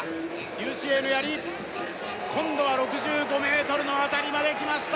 劉詩穎のやり今度は６５ｍのあたりまできました